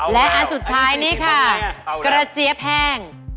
และอันสุดท้ายนี่ค่ะกระเจี๊ยบแห้ง